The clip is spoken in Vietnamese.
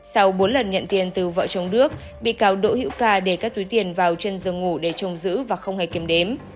sau bốn lần nhận tiền từ vợ chống đước bị cáo đỗ hiệu ca để các túi tiền vào chân giường ngủ để chống giữ và không hề kiếm đếm